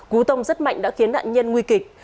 cú tông rất mạnh đã khiến nạn nhân nguy kịch